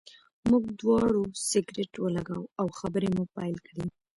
موږ دواړو سګرټ ولګاوه او خبرې مو پیل کړې.